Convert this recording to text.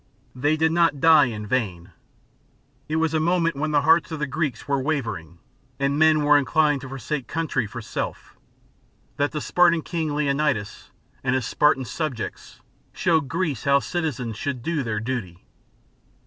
They did not die in vain. It was a moment when the hearts of the Greeks were wavering and men were inclined to forsake country for self, that the Spartan King Leonidas and his Spartan subjects, showed Greece how citizens should do their duty.